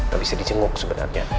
gak bisa di jenguk sebenarnya